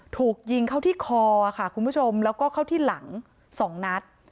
ถูกยิงเข้าที่คอแล้วก็เข้าที่หลัง๒นัด